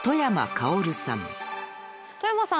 外山さん